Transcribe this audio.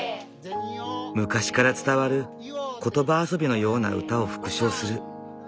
昔から伝わる言葉遊びのような歌を復唱する。